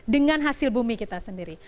dengan hasil bumi kita sendiri